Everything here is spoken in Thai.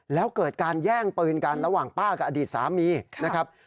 แล้วเกิดการแย่งปืนกันระหว่างป้ากับอดีตสามีนะครับ